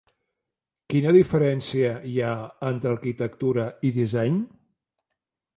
Quina diferència hi ha entre arquitectura i disseny?